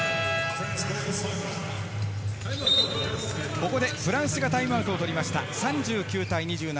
ここでフランスがタイムアウトを取りました、３９対２７。